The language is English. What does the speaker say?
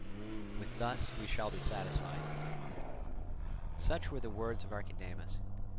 With this we shall be satisfied." Such were the words of Archidamus.